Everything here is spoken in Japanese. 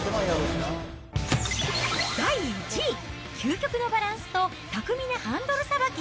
第１位、究極のバランスと巧みなハンドルさばき！